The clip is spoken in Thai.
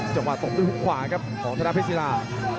จังหวะตกด้วยหุ้นขวาครับของธนาพิสิลา